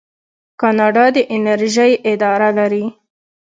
کاناډا د انرژۍ اداره لري.